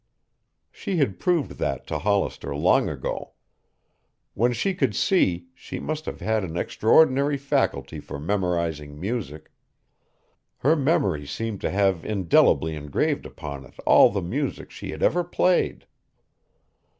She had proved that to Hollister long ago. When she could see she must have had an extraordinary faculty for memorizing music. Her memory seemed to have indelibly engraved upon it all the music she had ever played.